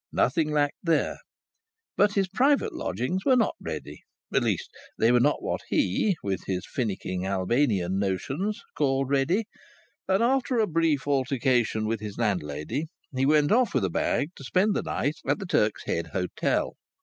Nothing lacked there. But his private lodgings were not ready; at least, they were not what he, with his finicking Albanian notions, called ready, and, after a brief altercation with his landlady, he went off with a bag to spend the night at the Turk's Head Hotel.